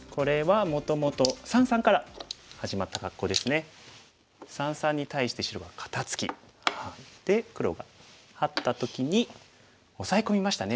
三々に対して白が肩ツキがあって黒がハッた時にオサエ込みましたね。